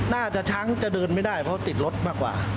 ช้างจะเดินไม่ได้เพราะติดรถมากกว่า